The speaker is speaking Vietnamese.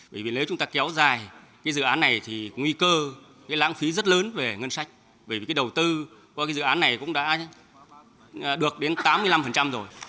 sai cái dự án này thì nguy cơ cái lãng phí rất lớn về ngân sách về cái đầu tư qua cái dự án này cũng đã được đến tám mươi năm rồi